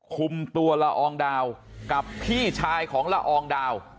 คุมตัวละอองดาวกับพี่ชายของละอองดาว